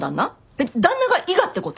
えっ旦那が伊賀ってこと！？